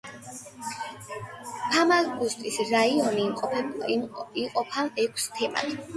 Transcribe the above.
ფამაგუსტის რაიონი იყოფა ექვს თემად.